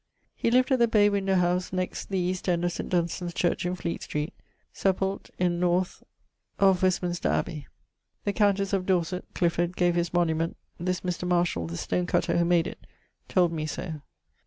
He lived at the bay windowe house next the east end of St. Dunstan's Church in Fleet street. Sepult. in north + of Westminster Abbey. The countesse of Dorset (Clifford) gave his monument: this Mr. Marshall (the stone cutter), who made it, told me so.